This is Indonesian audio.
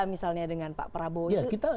misalnya dengan pak prabowo